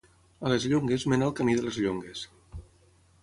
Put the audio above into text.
A les Llongues mena el Camí de les Llongues.